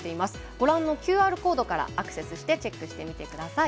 ご覧のＱＲコードからアクセスしてチェックしてみてください。